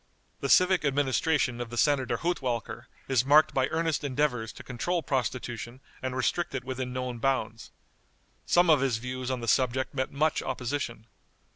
The civic administration of the Senator Hudtwalcker is marked by earnest endeavors to control prostitution and restrict it within known bounds. Some of his views on the subject met much opposition.